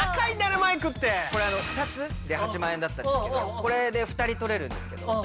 これあの２つで８万円だったんですけどこれで２人とれるんですけど。